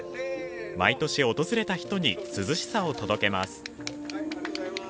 毎年、訪れた人に涼しさを届けます。